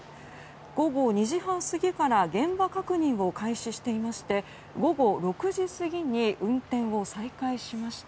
午後２時半過ぎから現場確認を開始していまして午後６時過ぎに運転を再開しました。